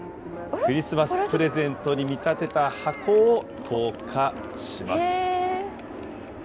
クリスマスプレゼントに見立てた箱を投下します。